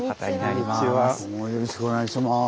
よろしくお願いします。